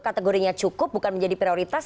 kategorinya cukup bukan menjadi prioritas